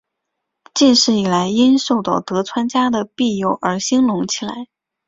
近世以来因受到德川家的庇佑而兴隆起来。